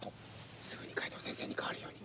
すぐに海藤先生に代わるように。